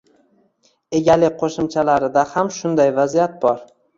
Egalik qoʻshimchalarida ham shunday vaziyat bor